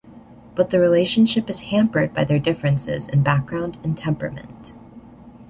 But the relationship is hampered by their differences in background and temperament.